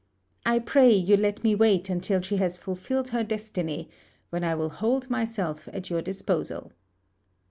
I pray you let me wait until she has fulfilled her destiny, when I will hold myself at your disposal."